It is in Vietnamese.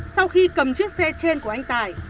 sau khi cầm chiếc xe trên của anh tài